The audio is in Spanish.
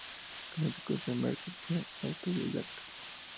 Como consecuencia, Merkel fue autodidacta.